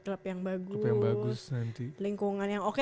klub yang bagus lingkungan yang oke